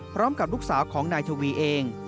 พร้อมกับลูกสาวของนายทวีเอง